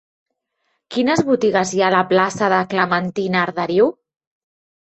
Quines botigues hi ha a la plaça de Clementina Arderiu?